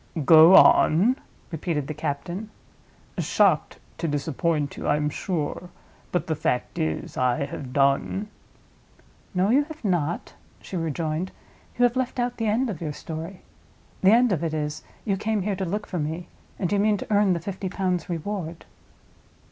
"Go on?" repeated the captain. "Shocked to disappoint you, I am sure; but the fact is, I have done." "No, you have not," she rejoined; "you have left out the end of your story. The end of it is, you came here to look for me; and you mean to earn the fifty pounds reward."